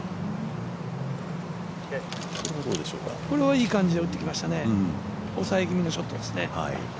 いい感じで打ってきました抑え気味のショットですね。